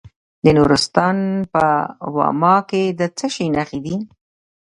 د نورستان په واما کې د څه شي نښې دي؟